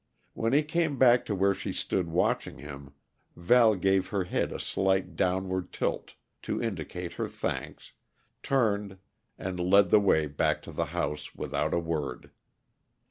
When he came back to where she stood watching him, Val gave her head a slight downward tilt to indicate her thanks, turned, and led the way back to the house without a word.